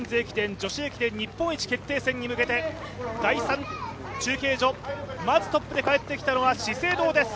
女子駅伝日本一決定戦に向けて、第３中継所、まずトップで帰ってきたのは資生堂です。